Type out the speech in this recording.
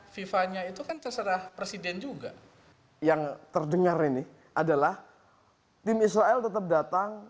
viva nya itu kan terserah presiden juga yang terdengar ini adalah tim israel tetap datang